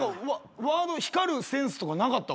ワード光るセンスとかなかったか？